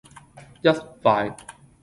一塊